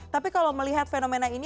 tapi kalau melihat fenomena ini